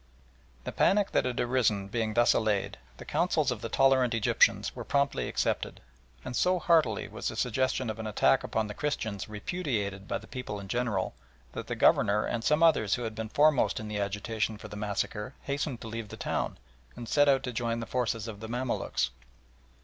The panic that had arisen being thus allayed the counsels of the tolerant Egyptians were promptly accepted, and so heartily was the suggestion of an attack upon the Christians repudiated by the people in general, that the Governor and some others who had been foremost in the agitation for the massacre hastened to leave the town, and set out to join the forces of the Mamaluks.